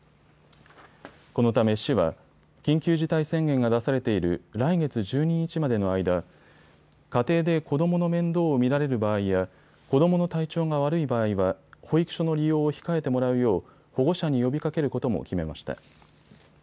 このため市は緊急事態宣言が出されている来月１２日までの間、家庭で子どもの面倒を見られる場合や子どもの体調が悪い場合は、保育所の利用を控えてもらうよう保護者に呼びかけることも決めました。